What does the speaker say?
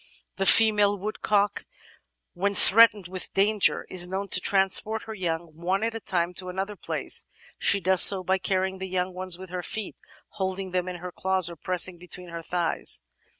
The female woodcock, when threatened with danger, is known to transport her young, one at a time, to another place. She does so by carrying the young ones with her feet, holding them in her claws, or pressed between her thighs.